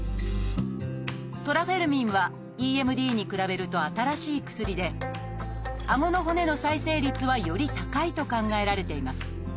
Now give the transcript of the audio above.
「トラフェルミン」はＥＭＤに比べると新しい薬であごの骨の再生率はより高いと考えられています。